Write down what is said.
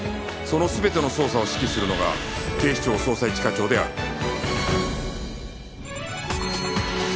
その全ての捜査を指揮するのが警視庁捜査一課長である